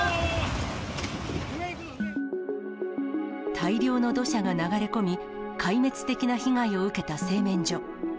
大量の土砂が流れ込み、壊滅的な被害を受けた製麺所。